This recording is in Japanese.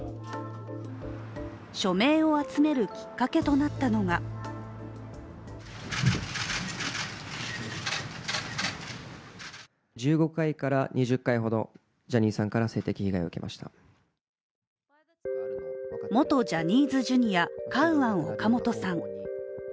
署名を集めるきっかけとなったのが元ジャニーズＪｒ．カウアン・オカモトさん。